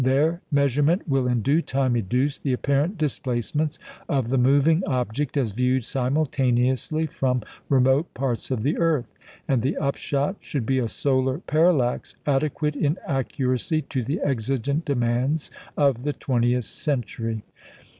Their measurement will in due time educe the apparent displacements of the moving object as viewed simultaneously from remote parts of the earth; and the upshot should be a solar parallax adequate in accuracy to the exigent demands of the twentieth century.